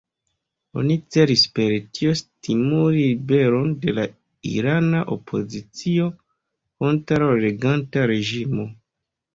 Oni celis per tio stimuli ribelon de la irana opozicio kontraŭ la reganta reĝimo.